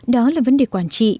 đó là vấn đề quản trị